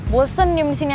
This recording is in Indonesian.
bosan diem disini aja